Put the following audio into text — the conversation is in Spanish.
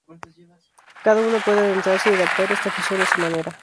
Cada uno puede adentrarse y adaptar esta afición a su manera.